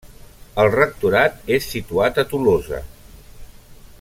El rectorat és situat a Tolosa.